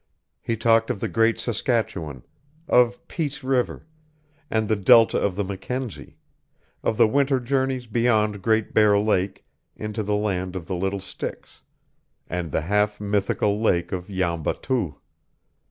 He talked of the great Saskatchewan, of Peace River, and the delta of the Mackenzie, of the winter journeys beyond Great Bear Lake into the Land of the Little Sticks, and the half mythical lake of Yamba Tooh.